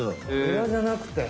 エラじゃなくて。